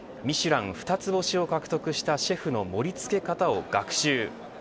ミシュラン２つ星を獲得したシェフの盛り付け方を学習。